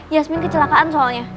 yasmin kecelakaan soalnya